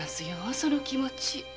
その気持。